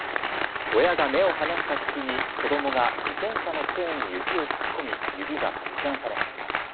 親が目を離した隙に子供が自転車のチェーンに指を突っ込み指が切断されました。